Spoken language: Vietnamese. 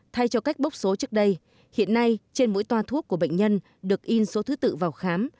thay cho cách bốc số trước đây hiện nay trên mỗi toa thuốc của bệnh nhân được in số thứ tự vào khám